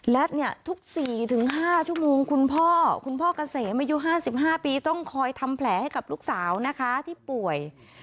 อ๋อแล้วเนี่ยทุกสี่ถึงห้าชั่วโมงคุณพ่อคุณพ่อกระเสมอายุห้าสิบห้าปีต้องคอยทำแผลให้กับลูกสาวนะคะที่ป่วย